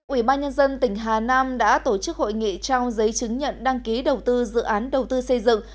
ủy ban nhân dân tỉnh hà nam đã tổ chức hội nghị trao giấy chứng nhận đăng ký đầu tư dự án đầu tư xây dựng